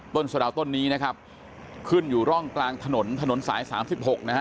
ต้นสะดาวต้นนี้นะครับขึ้นอยู่ร่องกลางถนนถนนสาย๓๖นะฮะ